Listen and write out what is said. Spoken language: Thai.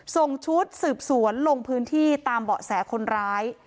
ส่งชุดสืบสวนลงพื้นที่ตามเบาะแสคนร้าย